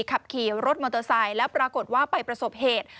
ขับขี่รถมอเตอร์ไซค์แล้วปรากฏว่าไปประสบเหตุ